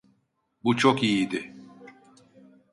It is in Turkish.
Bu çok iyiydi.